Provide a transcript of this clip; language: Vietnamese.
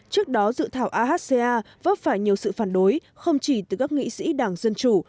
trước đó dự thảo ahca vấp phải nhiều sự phản đối không chỉ từ các nghị sĩ đảng dân chủ